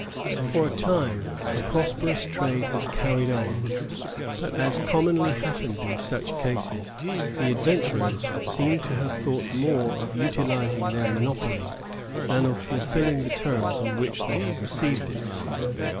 1731._] For a time a prosperous trade was carried on; but, as commonly happened in such cases, the adventurers seem to have thought more of utilizing their monopoly than of fulfilling the terms on which they had received it.